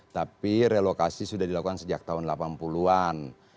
tapi relokasi sudah dilakukan sejak tahun delapan puluh an